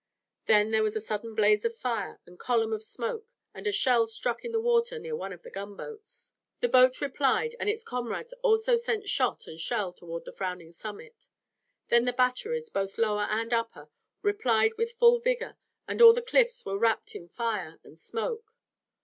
Then there was a sudden blaze of fire and column of smoke and a shell struck in the water near one of the gunboats. The boat replied and its comrades also sent shot and shell toward the frowning summit. Then the batteries, both lower and upper, replied with full vigor and all the cliffs were wrapped in fire and smoke.